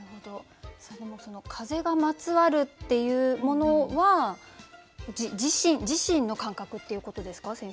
さあでもその「風がまつわる」っていうものは自身の感覚っていうことですか？